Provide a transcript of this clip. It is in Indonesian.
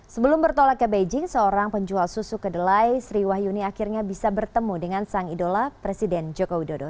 sebelum bertolak ke beijing seorang penjual susu kedelai sri wahyuni akhirnya bisa bertemu dengan sang idola presiden joko widodo